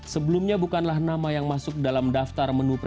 sebelumnya bukanlah nama yang masuk dalam daftar menurut saya